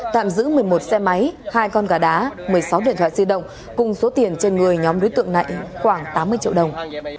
tạm giữ một mươi một xe máy hai con gà đá một mươi sáu điện thoại di động cùng số tiền trên người nhóm đối tượng này khoảng tám mươi triệu đồng